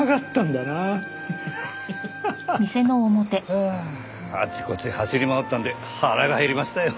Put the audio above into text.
はああちこち走り回ったんで腹が減りましたよ。